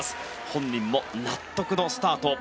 本人も納得のスタート。